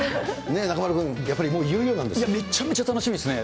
中丸君、めちゃめちゃ楽しみですね。